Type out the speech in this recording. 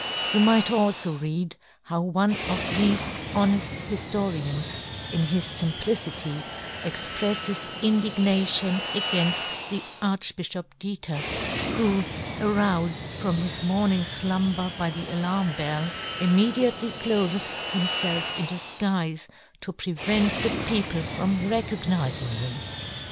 You might alfo read how one of thefe honeft hiftorians in his fimplicity expreffes indignation againft the Archbifhop Diether, who, aroufed from his morning flumber by the alarm bell, immediately clothes himfelf in difguife to prevent the people from recognizing him